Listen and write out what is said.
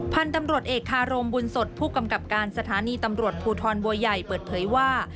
พันธุ์ตำรวจเอกคารมบุญสดผู้กำกับการสถานีตำรวจภูทรบัวใหญ่เปิดเผยว่า